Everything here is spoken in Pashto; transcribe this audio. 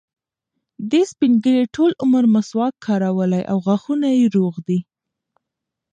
دې سپین ږیري ټول عمر مسواک کارولی او غاښونه یې روغ دي.